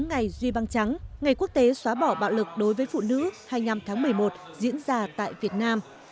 ngày duy băng trắng ngày quốc tế xóa bỏ bạo lực đối với phụ nữ hai mươi năm tháng một mươi một diễn ra tại việt nam